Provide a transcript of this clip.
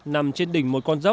nằm trên đỉnh một con dốc